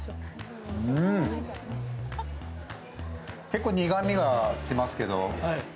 結構、苦みがきますけど。